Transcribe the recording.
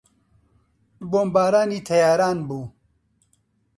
بۆمبارانی تەیاران بوو.